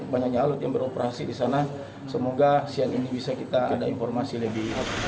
banyaknya alut yang beroperasi di sana semoga siang ini bisa kita ada informasi lebih